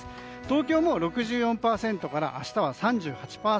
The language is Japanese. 東京も、６４％から明日は８３％。